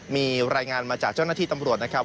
มีรายงานมาจากเจ้าหน้าที่ตำรวจนะครับ